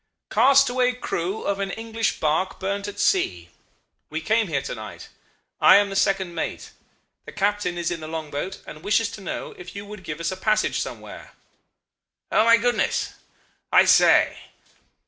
"'Castaway crew of an English barque burnt at sea. We came here to night. I am the second mate. The captain is in the long boat, and wishes to know if you would give us a passage somewhere.' "'Oh, my goodness! I say...